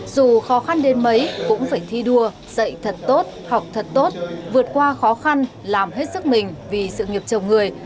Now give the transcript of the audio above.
dù khó khăn đến mấy cũng phải thi đua dạy thật tốt học thật tốt vượt qua khó khăn làm hết sức mình vì sự nghiệp chồng người